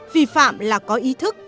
vì phạm là có ý thức